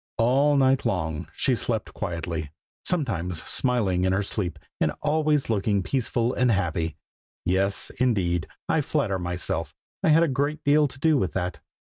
All night long she slept quietly, sometimes smiling in her sleep, and always looking peaceful and happy. Yes, indeed, I flatter myself I had a great deal to do with that.